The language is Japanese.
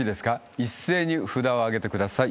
一斉に札を上げてください。